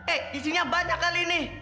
eh isinya banyak kali nih